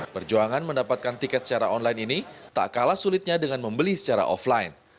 perjuangan mendapatkan tiket secara online ini tak kalah sulitnya dengan membeli secara offline